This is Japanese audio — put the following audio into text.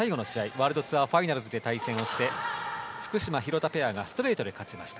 ワールドツアー・ファイナルズで対戦をして、フクヒロペアがストレートで勝ちました。